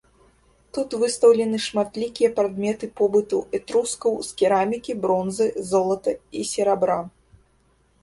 Тут выстаўлены шматлікія прадметы побыту этрускаў з керамікі, бронзы, золата і серабра.